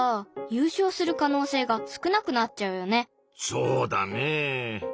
そうだねぇ。